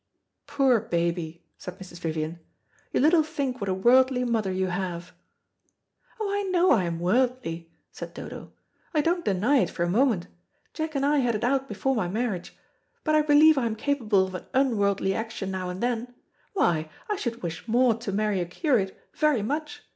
"Poor baby," said Mrs. Vivian, "you little think what a worldly mother you have." "Oh, I know I am worldly," said Dodo. "I don't deny it for a moment. Jack and I had it out before my marriage. But I believe I am capable of an unworldly action now and then. Why, I should wish Maud to marry a curate very much.